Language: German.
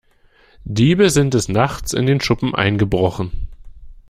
Diebe sind des Nachts in den Schuppen eingebrochen.